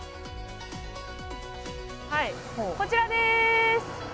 はいこちらです！